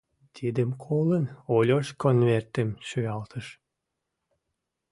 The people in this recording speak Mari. Тидым колын, Ольош конвертым шуялтыш.